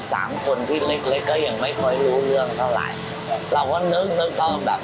สามคนที่เล็กเล็กก็ยังไม่ค่อยรู้เรื่องเท่าไหร่เราก็นึกแล้วก็แบบ